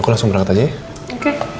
aku langsung berangkat aja ya